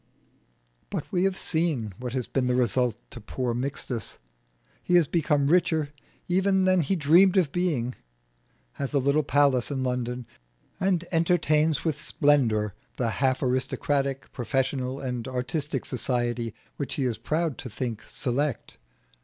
But we have seen what has been the result to poor Mixtus. He has become richer even than he dreamed of being, has a little palace in London, and entertains with splendour the half aristocratic, professional, and artistic society which he is proud to think select.